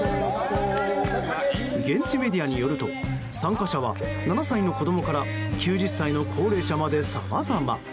現地メディアによると、参加者は７歳の子供から９０歳の高齢者まで、さまざま。